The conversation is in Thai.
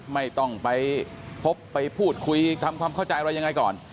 ไม่ต้องไปพบไปพูดคุยทำความเข้าใจอะไรยังไงก่อน